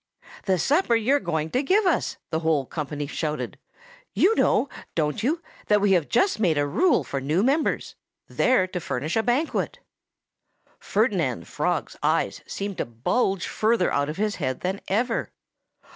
"The supper you're going to give us!" the whole company shouted. "You know don't you? that we have just made a rule for new members: they're to furnish a banquet." Ferdinand Frog's eyes seemed to bulge further out of his head than ever.